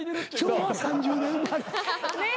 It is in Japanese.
昭和３０年生まれ。